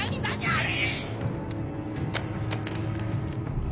あれ！